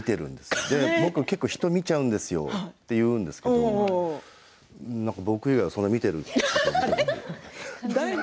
僕、結構人見ちゃうんですよって言うんですけれど僕以外を見ているところ見たことない。